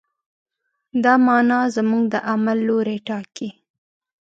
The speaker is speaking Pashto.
دا معنی زموږ د عمل لوری ټاکي.